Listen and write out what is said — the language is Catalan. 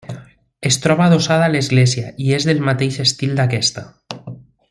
Es troba adossada a l'església i és del mateix estil d'aquesta.